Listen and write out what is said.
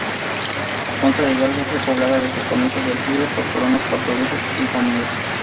Punta del Hidalgo fue poblada desde comienzos del siglo por colonos portugueses y gomeros.